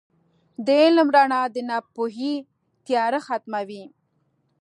• د علم رڼا د ناپوهۍ تیاره ختموي.